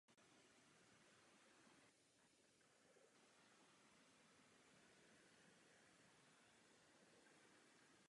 Oblast byla osídlena již v době bronzové a době římské říše byla trvale obydlena.